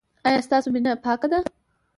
ایا ستاسو مینه پاکه ده؟